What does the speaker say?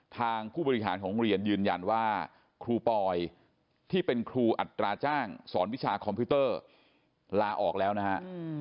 ผู้บริหารของโรงเรียนยืนยันว่าครูปอยที่เป็นครูอัตราจ้างสอนวิชาคอมพิวเตอร์ลาออกแล้วนะฮะ